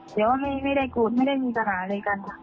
แต่ว่าไม่ได้กรูดไม่ได้มีสนามอะไรกัน